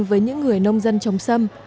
với những người nông dân trồng xâm